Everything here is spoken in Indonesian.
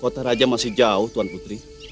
kota raja masih jauh tuan putri